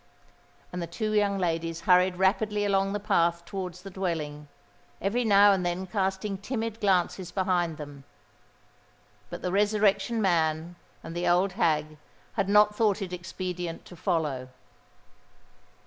And the two young ladies hurried rapidly along the path towards the dwelling, every now and then casting timid glances behind them. But the Resurrection Man and the old hag had not thought it expedient to follow.